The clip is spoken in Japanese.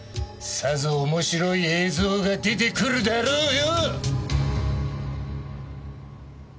さぞ面白い映像が出てくるだろうよ。